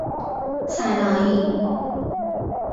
سنایی